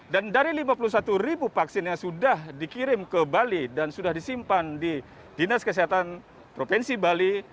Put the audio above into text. dan dari lima puluh satu ribu vaksin yang sudah dikirim ke bali dan sudah disimpan di dinas kesehatan provinsi bali